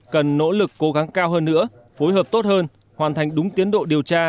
cần nỗ lực cố gắng cao hơn nữa phối hợp tốt hơn hoàn thành đúng tiến độ điều tra